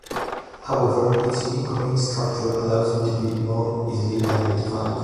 However, its unique ring structure allows it to be more easily identified.